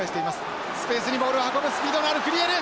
スペースにボールを運ぶスピードがあるクリエル。